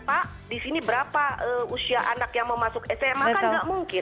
pak di sini berapa usia anak yang mau masuk sma kan nggak mungkin